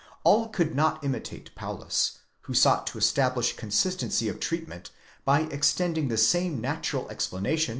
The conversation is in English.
ΑἹ] could not imitate Paulus, who sought to estab lish consistency of treatment by extending the same natural explanation.